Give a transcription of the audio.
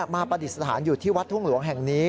ประดิษฐานอยู่ที่วัดทุ่งหลวงแห่งนี้